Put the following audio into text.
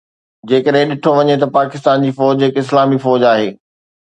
جيڪڏهن ڏٺو وڃي ته پاڪستان جي فوج هڪ اسلامي فوج آهي